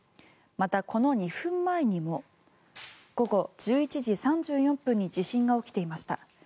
またこの２分前にも午後１１時３４分に地震が起きていました。